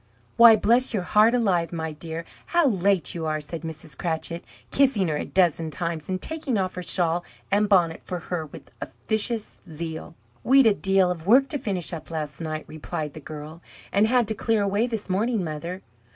"Why, bless your heart alive, my dear, how late you are!" said Mrs. Cratchit, kissing her a dozen times, and taking off her shawl and bonnet for her with officious zeal. "We'd a deal of work to finish up last night," replied the girl, "and had to clear away this morning, mother!"